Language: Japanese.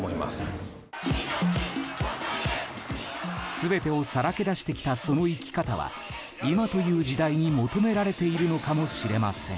全てをさらけ出してきたその生き方は今という時代に求められているのかもしれません。